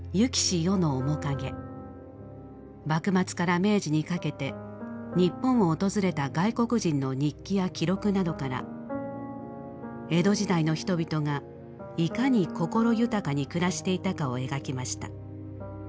幕末から明治にかけて日本を訪れた外国人の日記や記録などから江戸時代の人々がいかに心豊かに暮らしていたかを描きました。